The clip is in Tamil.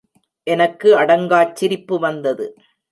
எனக்கு அடங்காச் சிரிப்பு வந்தது.